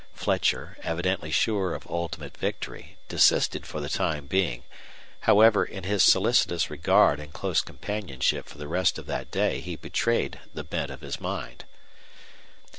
Fletcher, evidently sure of ultimate victory, desisted for the time being; however, in his solicitous regard and close companionship for the rest of that day he betrayed the bent of his mind.